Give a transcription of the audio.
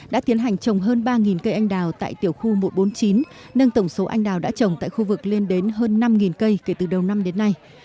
đã tiến hành trồng hơn ba cây anh đào tại tiểu khu một trăm bốn mươi chín nâng tổng số anh đào đã trồng tại khu vực lên đến hơn năm cây kể từ đầu năm đến nay